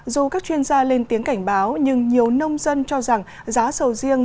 dù các chuyên gia lên tiếng cảnh báo nhưng nhiều nông dân cho rằng giá sầu riêng